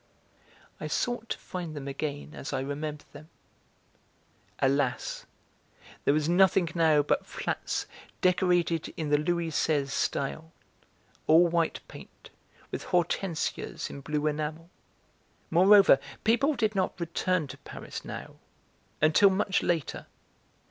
I sought to find them again as I remembered them. Alas! there was nothing now but flats decorated in the Louis XVI style, all white paint, with hortensias in blue enamel. Moreover, people did not return to Paris, now, until much later.